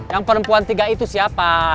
yang perempuan tiga itu siapa